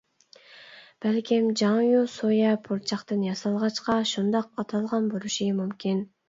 بەلكىم جاڭيۇ سويا پۇرچاقتىن ياسالغاچقا، شۇنداق ئاتالغان بولۇشى مۇمكىن.